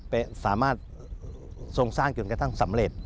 สามารถทรงสร้างจนกระทั่งสำเร็จ